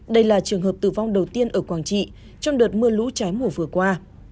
đây là trường hợp tử vong đầu tiên ở quảng trị trong đợt mưa lũ trái mùa vừa qua